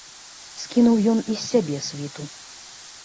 Скінуў ён і з сябе світу.